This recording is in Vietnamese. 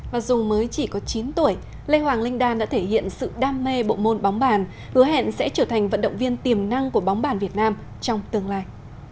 và dù mới chỉ có chín tuổi lê hoàng linh đan đã thể hiện sự đam mê bộ môn bóng bàn hứa hẹn sẽ trở thành vận động viên tiềm năng của bóng bàn việt nam trong tương lai